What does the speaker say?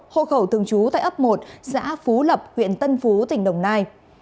hộ khẩu thường trú tại ấp một xã phú lập huyện tân phú tỉnh đồng nai